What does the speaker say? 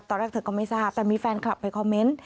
ตอนแรกเธอก็ไม่ทราบแต่มีแฟนคลับไปคอมเมนต์